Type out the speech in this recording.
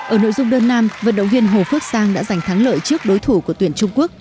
ở nội dung đơn nam vận động viên hồ phước sang đã giành thắng lợi trước đối thủ của tuyển trung quốc